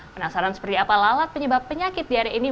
penasaran seperti apa lalat penyebab penyakit diare ini